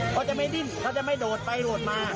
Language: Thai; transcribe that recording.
เขาจะไม่ดิ้นเขาจะไม่โดดไปโดดมา